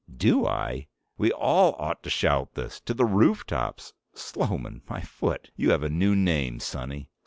"Do I? We all ought to shout this. To the rooftops! Sloman, my foot. You have a new name, sonny.